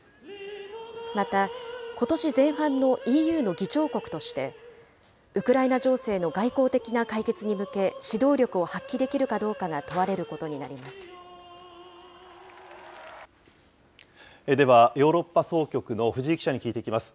また、ことし前半のＥＵの議長国として、ウクライナ情勢の外交的な解決に向け、指導力を発揮できるかどうかが問われることになりでは、ヨーロッパ総局の藤井記者に聞いていきます。